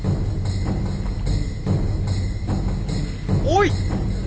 おい！